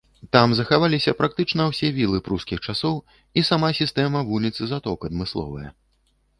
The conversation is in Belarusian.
Там захаваліся практычна ўсе вілы прускіх часоў, і сама сістэма вуліц і заток адмысловая.